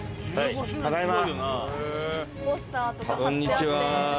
こんにちは。